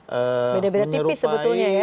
beda beda tipis sebetulnya ya